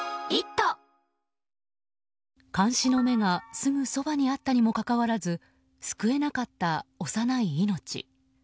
監視の目がすぐそばにあったにもかかわらず救えなかった幼い命。